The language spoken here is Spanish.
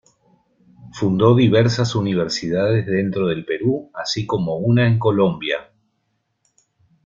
Fundó diversas universidades dentro del Perú, así como una en Colombia.